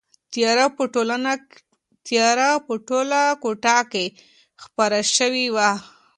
تیاره په ټوله کوټه کې خپره شوې وه.